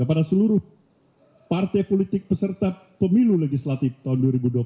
pemilu legislatif tahun dua ribu dua puluh empat